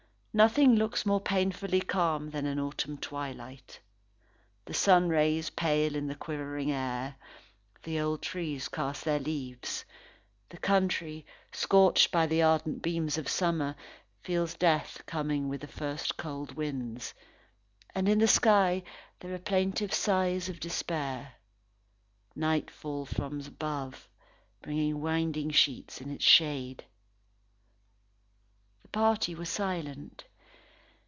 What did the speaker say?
Nothing looks more painfully calm than an autumn twilight. The sun rays pale in the quivering air, the old trees cast their leaves. The country, scorched by the ardent beams of summer, feels death coming with the first cold winds. And, in the sky, there are plaintive sighs of despair. Night falls from above, bringing winding sheets in its shade. The party were silent.